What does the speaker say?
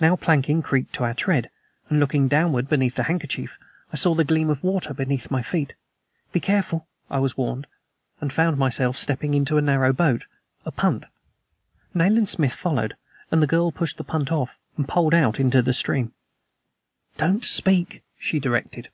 Now, planking creaked to our tread; and looking downward beneath the handkerchief, I saw the gleam of water beneath my feet. "Be careful!" I was warned, and found myself stepping into a narrow boat a punt. Nayland Smith followed, and the girl pushed the punt off and poled out into the stream. "Don't speak!" she directed.